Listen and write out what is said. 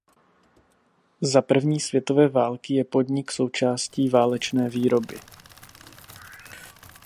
Za první světové války je podnik součástí válečné výroby.